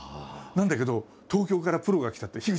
なんだけど「東京からプロが来た！」って。